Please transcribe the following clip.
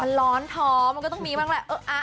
มันร้อนท้อมันก็ต้องมีมันแบบอะอะอะ